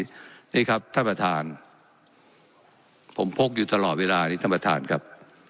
นี่ครับท่านประธานผมพกอยู่ตลอดเวลานี้ท่านประธานครับ